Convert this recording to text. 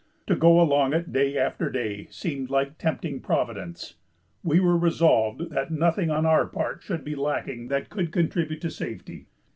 To go along it day after day seemed like tempting Providence. We were resolved that nothing on our part should be lacking that could contribute to safety.